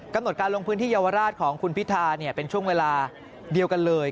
กำหนดการลงพื้นที่เยาวราชของคุณพิธาเป็นช่วงเวลาเดียวกันเลย